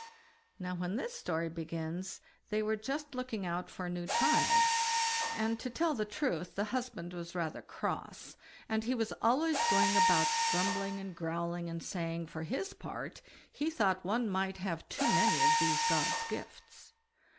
Now, when this story begins, they were just looking out for a new child; and, to tell the truth, the husband was rather cross, and he was always going about grumbling and growling, and saying, "For his part, he thought one might have too many of these God's gifts."